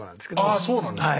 ああそうなんですか。